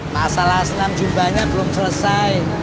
masalah senam jumbanya belum selesai